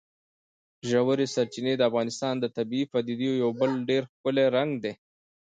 ژورې سرچینې د افغانستان د طبیعي پدیدو یو بل ډېر ښکلی رنګ دی.